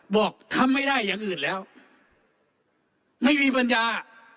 บอกทำไม่ได้อย่างอื่นแล้วไม่มีปัญญา